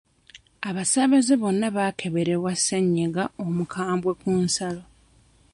Abasaabaze bonna bakeberebwa ssenyiga omukambwe ku nsalo.